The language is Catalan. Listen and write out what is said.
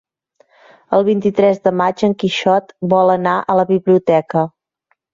El vint-i-tres de maig en Quixot vol anar a la biblioteca.